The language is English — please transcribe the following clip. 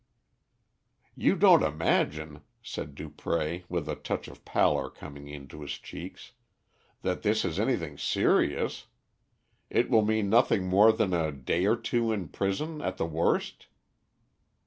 "You don't imagine," said Dupré, with a touch of pallor coming into his cheeks, "that this is anything serious. It will mean nothing more than a day or two in prison at the worst?"